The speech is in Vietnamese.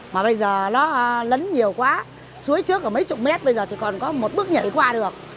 mà bây giờ nó lấn nhiều quá suối trước ở mấy chục mét bây giờ chỉ còn có một bước nhảy qua được